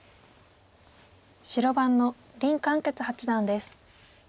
白番の林漢傑八段です。